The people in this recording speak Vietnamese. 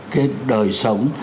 cái đời sống